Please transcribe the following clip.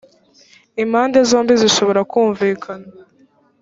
impande zombi zishobora kumvikana.